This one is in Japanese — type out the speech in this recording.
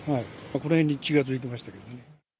この辺に血がついてましたけどね。